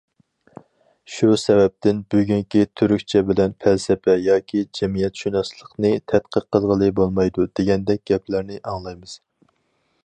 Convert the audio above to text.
شۇ سەۋەبتىن، بۈگۈنكى تۈركچە بىلەن پەلسەپە ياكى جەمئىيەتشۇناسلىقنى تەتقىق قىلغىلى بولمايدۇ دېگەندەك گەپلەرنى ئاڭلايمىز.